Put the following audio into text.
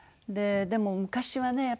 でも昔はね